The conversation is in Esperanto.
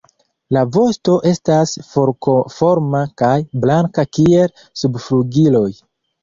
La vosto estas forkoforma kaj blanka kiel subflugiloj.